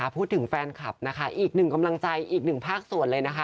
พูดถึงแฟนคลับนะคะอีกหนึ่งกำลังใจอีกหนึ่งภาคส่วนเลยนะคะ